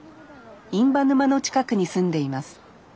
印旛沼の近くに住んでいます。